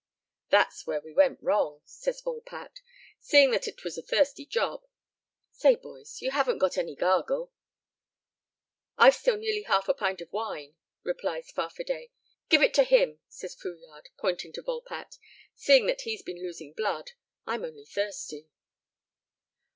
"That's where we went wrong," says Volpatte, "seeing that it was a thirsty job. Say, boys, you haven't got any gargle?" "I've still nearly half a pint of wine," replies Farfadet. "Give it to him," says Fouillade, pointing to Volpatte, "seeing that he's been losing blood. I'm only thirsty."